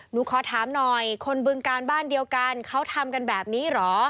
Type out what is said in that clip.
หนูขอถามหน่อยคนบึงการบ้านเดียวกันเขาทำกันแบบนี้เหรอ